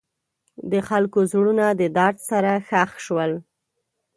د خلکو زړونه د درد سره ښخ شول.